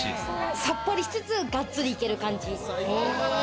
さっぱりしつつ、がっつりいける感じですね。